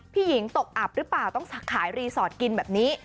พี่หญิงตกอับหรือเปล่าต้องขายรีสอร์ทกินแบบนี้